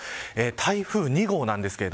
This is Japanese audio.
台風２号です。